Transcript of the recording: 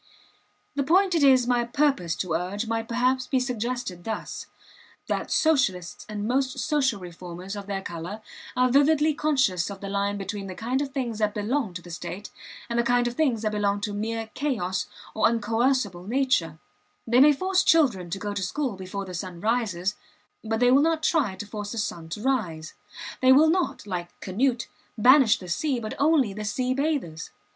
The point it is my purpose to urge might perhaps be suggested thus: that Socialists and most social reformers of their color are vividly conscious of the line between the kind of things that belong to the state and the kind of things that belong to mere chaos or uncoercible nature; they may force children to go to school before the sun rises, but they will not try to force the sun to rise; they will not, like Canute, banish the sea, but only the sea bathers.